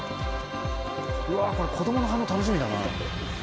うわこれ子供の反応楽しみだな。